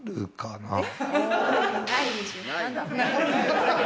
ないでしょ。